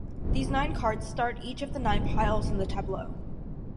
These nine cards start each of the nine piles in the tableau.